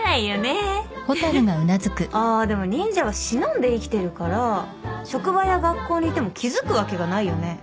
あでも忍者は忍んで生きてるから職場や学校にいても気付くわけがないよね。